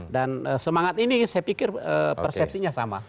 dan semangat ini saya pikir persepsinya sama